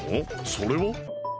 それは？